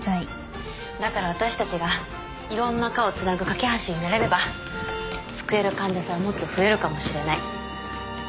だから私たちがいろんな科をつなぐ懸け橋になれれば救える患者さんはもっと増えるかもしれない。